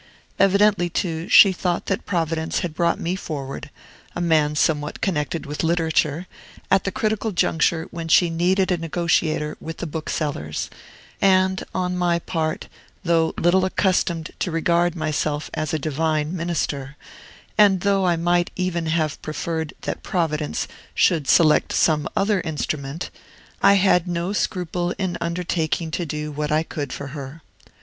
Evidently, too, she thought that Providence had brought me forward a man somewhat connected with literature at the critical juncture when she needed a negotiator with the booksellers; and, on my part, though little accustomed to regard myself as a divine minister, and though I might even have preferred that Providence should select some other instrument, I had no scruple in undertaking to do what I could for her.